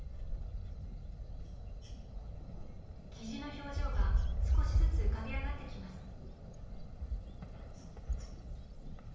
雉の表情が少しずつ浮かび上がってきます。